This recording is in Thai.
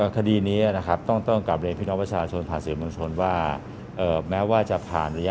พี่ฮ่าเห็นว่าประเด็นน้องชมพูดตอนนี้